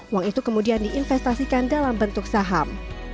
uang itu kemudian diinvestasikan dalam bentuk saham